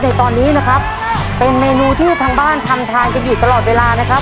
ในตอนนี้นะครับเป็นเมนูที่ทางบ้านทำทานกันอยู่ตลอดเวลานะครับ